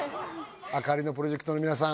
あかりのプロジェクトの皆さん